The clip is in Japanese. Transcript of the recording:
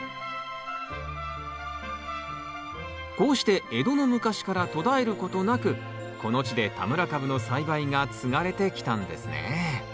こうして江戸の昔から途絶えることなくこの地で田村かぶの栽培が継がれてきたんですね。